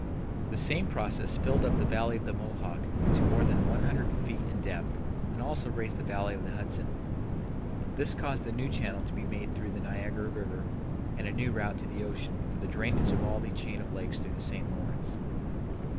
The same process filled up the Valley of the Mohawk to more than 100 feet in depth and also raised the Valley of the Hudson. This caused the new channel to be made through the Niagara River and a new route to the ocean for the drainage of all the chain of lakes through the St. Lawrence.